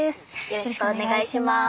よろしくお願いします。